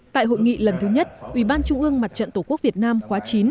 tại hội nghị lần thứ nhất ủy ban trung ương mặt trận tổ quốc việt nam khóa chín